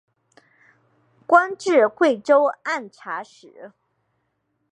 官至贵州按察使。